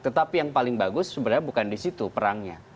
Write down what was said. tetapi yang paling bagus sebenarnya bukan di situ perangnya